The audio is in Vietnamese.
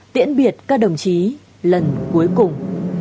tiễn biệt các đồng chí lần cuối cùng